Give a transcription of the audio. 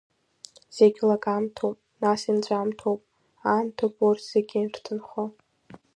Зегь лагамҭоуп, нас инҵәамҭоуп, аамҭоуп урҭ зегь ирҭынхо.